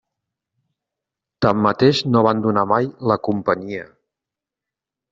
Tanmateix, no abandonà mai la Companyia.